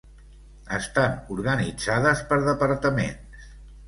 Estan organitzades per departaments.